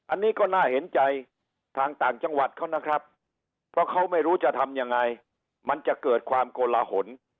อันนี้ก็น่าเห็นใจทางต่างจังหวัดเขานะครับเพราะเขาไม่รู้จะทำยังไงมันจะเกิดความโกลหน